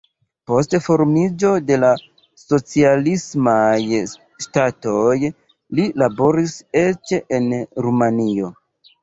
Post formiĝo de la socialismaj ŝtatoj li laboris eĉ en Rumanio.